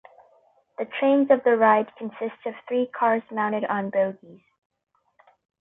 The trains of the ride consist of three cars mounted on bogies.